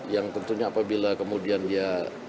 yang tentunya apabila kemudian dia